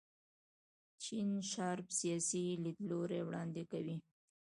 جین شارپ سیاسي لیدلوری وړاندې کوي.